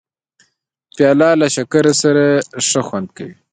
پیاله له شکر سره ښه خوند کوي.